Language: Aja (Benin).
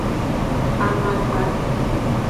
Amakpa.